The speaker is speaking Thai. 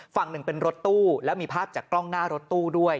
ฝั่งหนึ่งเป็นรถตู้แล้วมีภาพจากกล้องหน้ารถตู้ด้วย